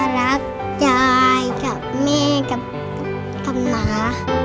รักยายกับแม่กับหมา